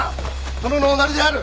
殿のおなりである！